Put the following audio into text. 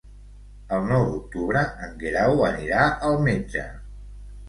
El nou d'octubre en Guerau anirà al metge.